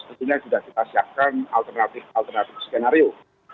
tentunya sudah kita siapkan alternatif alternatif skenario